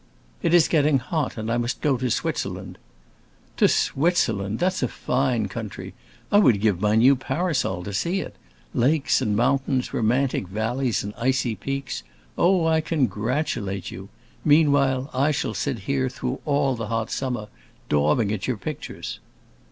"It is getting hot, and I must go to Switzerland." "To Switzerland? That's a fine country. I would give my new parasol to see it! Lakes and mountains, romantic valleys and icy peaks! Oh, I congratulate you. Meanwhile, I shall sit here through all the hot summer, daubing at your pictures."